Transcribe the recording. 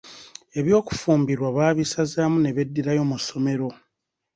Eby'okufumbirwa baabisazamu ne beddirayo mu ssomero.